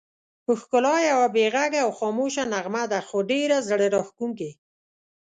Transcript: ښکلا یوه بې غږه او خاموشه نغمه ده، خو ډېره زړه راښکونکې.